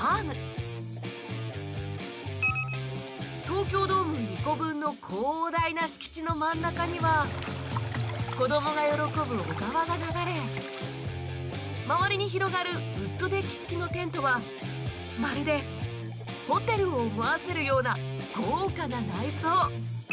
東京ドーム２個分の広大な敷地の真ん中には子供が喜ぶ小川が流れ周りに広がるウッドデッキ付きのテントはまるでホテルを思わせるような豪華な内装